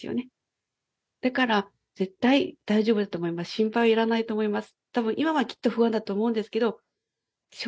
心配はしないでいいと思います。